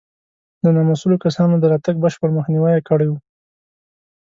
د نامسوولو کسانو د راتګ بشپړ مخنیوی یې کړی و.